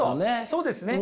そうですね。